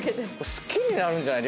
好きになるんじゃない？